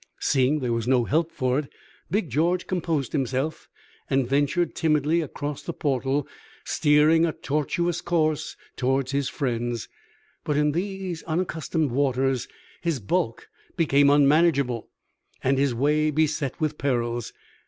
Seeing there was no help for it, Big George composed himself and ventured timidly across the portal, steering a tortuous course toward his friends; but in these unaccustomed waters his bulk became unmanageable and his way beset with perils.